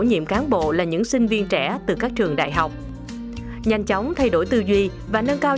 nhiệm cán bộ là những sinh viên trẻ từ các trường đại học nhanh chóng thay đổi tư duy và nâng cao